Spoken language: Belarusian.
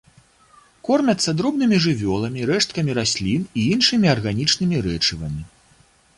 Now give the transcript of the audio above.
Кормяцца дробнымі жывёламі, рэшткамі раслін і іншымі арганічнымі рэчывамі.